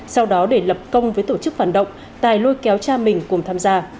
sau đó để lập công với tổ chức phản động tài lôi kéo cha mình cùng tham gia